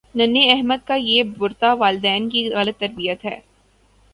ننھے احمد کا یہ برتا والدین کی غلط تربیت ہے